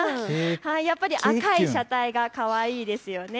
やっぱり赤い車体がかわいいですよね。